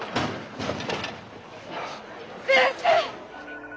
先生！